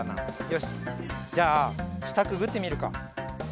よしじゃあしたくぐってみるか。